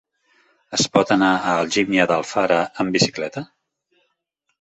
Es pot anar a Algímia d'Alfara amb bicicleta?